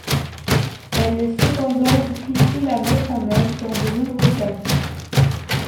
Elle est cependant difficile à mettre en œuvre dans de nombreux cas.